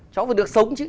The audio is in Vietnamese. cháu phải được sống chứ